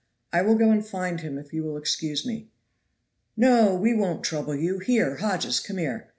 I will go and find him if you will excuse me." "No! we won't trouble you. Here, Hodges, come here.